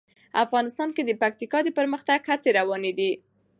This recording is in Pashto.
افغانستان کې د پکتیکا د پرمختګ هڅې روانې دي.